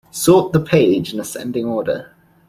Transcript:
Sort the page in ascending order.